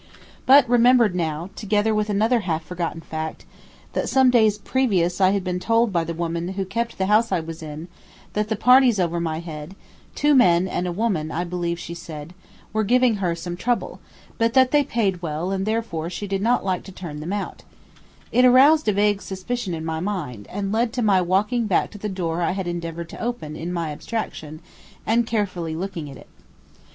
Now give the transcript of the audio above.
But remembered now, together with another half forgotten fact, that some days previous I had been told by the woman who kept the house I was in, that the parties over my head (two men and a woman I believe she said) were giving her some trouble, but that they paid well and therefore she did not like to turn them out, it aroused a vague suspicion in my mind, and led to my walking back to the door I had endeavored to open in my abstraction, and carefully looking at it.